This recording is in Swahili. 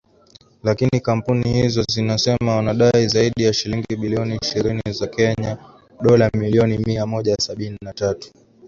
Lakini kampuni hizo zinasema wanadai zaidi ya shilingi bilioni ishirini za Kenya (dola milioni mia moja sabini na tatu )